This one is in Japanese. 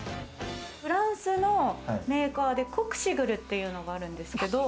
フランスのメーカーでコクシグルっていうのがあるんですけども。